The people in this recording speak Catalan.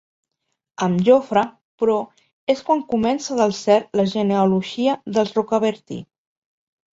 Amb Jofre, però, és quan comença del cert la genealogia dels Rocabertí.